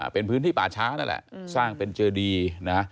เป็นพื้นที่ป่าช้านั่นแหละสร้างเป็นเจดีนะ